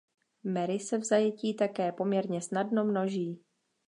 Mary se v zajetí také poměrně snadno množí.